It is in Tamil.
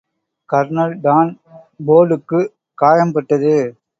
கர்னல் டான் போர்டுக்குக் காயம் பட்டது.